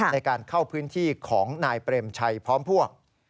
ในการเข้าพื้นที่ของนายเปรมชัยพร้อมพวก